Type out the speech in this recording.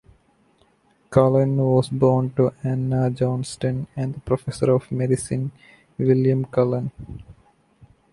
Cullen was born to Anna Johnston and the professor of medicine William Cullen.